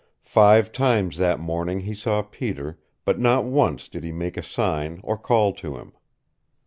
Five times that morning he saw Peter, but not once did he make a sign or call to him.